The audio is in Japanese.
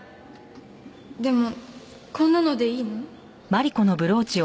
でもこんなのでいいの？